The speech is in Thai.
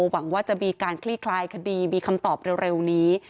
หวังว่าจะมีการคลี่คลายคดีมีคำตอบเร็วนี้